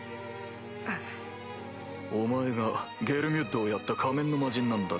お前がゲルミュッドをやった仮面の魔人なんだろ？